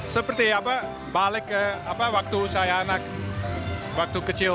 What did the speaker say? seperti apa balik ke waktu saya anak waktu kecil